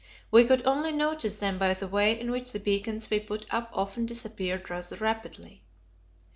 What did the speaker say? We could only notice them by the way in which the beacons we put up often disappeared rather rapidly.